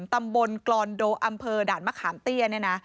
ตำบลกรอนโดอำเภอด่านมะขามเตียน